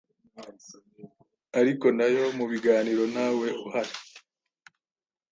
ariko na yo mu biganiro ntawe uhari.